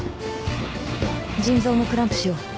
腎臓もクランプしよう。